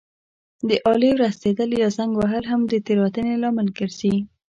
د آلې ورستېدل یا زنګ وهل هم د تېروتنې لامل ګرځي.